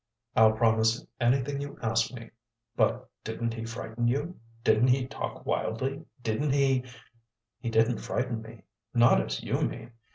"I'll promise anything you ask me. But didn't he frighten you? Didn't he talk wildly? Didn't he " "He didn't frighten me not as you mean.